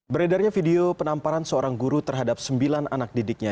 beredarnya video penamparan seorang guru terhadap sembilan anak didiknya